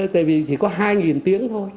tại vì chỉ có hai tiếng thôi